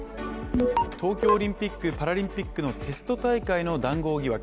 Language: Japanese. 東京オリンピック・パラリンピックのテスト大会の談合疑惑。